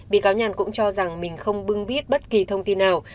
bị cáo nhàn cũng cho rằng mình không bưng bít bất kỳ thông tin nào